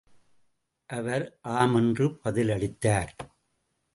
அவர் ஆம் என்று பதில் அளித்தார்.